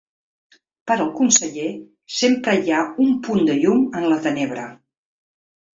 Per al conseller ‘sempre hi ha un punt de llum en la tenebra’.